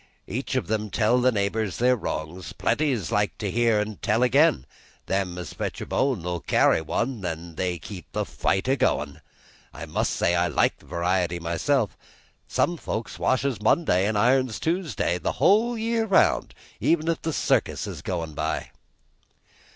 Each of 'em tell the neighbors their wrongs; plenty likes to hear and tell again; them as fetch a bone'll carry one, an' so they keep the fight a goin'. I must say I like variety myself; some folks washes Monday an' irons Tuesday the whole year round, even if the circus is goin' by!"